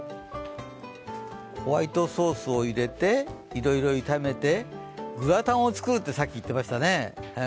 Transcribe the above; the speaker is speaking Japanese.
ホワイトソースを入れていろいろ炒めてグラタンを作るってさっき言ってましたね。